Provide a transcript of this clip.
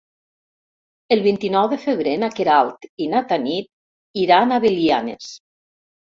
El vint-i-nou de febrer na Queralt i na Tanit iran a Belianes.